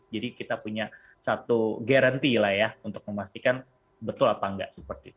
jadi kita punya satu garanti lah ya untuk memastikan betul apa enggak